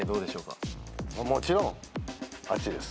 もちろんあっちです。